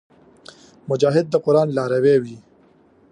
مجاهد د قران لاروي وي.